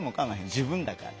自分だから。